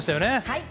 はい。